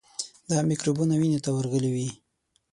دا میکروبونه وینې ته ورغلي وي.